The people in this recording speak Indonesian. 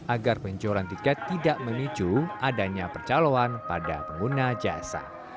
agar penjualan tiket tidak memicu adanya percaloan pada pengguna jasa